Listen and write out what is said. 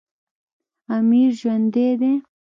امیر ژوندی دی.